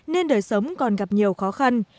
nên đời sống còn gặp nhiều khó khăn